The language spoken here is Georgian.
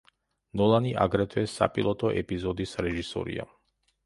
ნოლანი აგრეთვე საპილოტო ეპიზოდის რეჟისორია.